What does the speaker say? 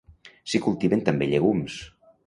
S'hi cultiven també llegums.